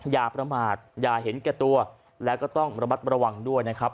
อย่าประมาทอย่าเห็นแก่ตัวแล้วก็ต้องระมัดระวังด้วยนะครับ